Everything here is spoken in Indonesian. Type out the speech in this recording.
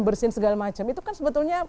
bersin segala macam itu kan sebetulnya